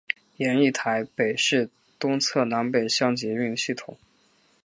研议台北市东侧南北向捷运系统。